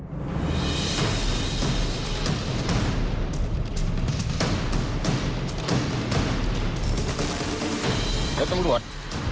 รถตำรวจ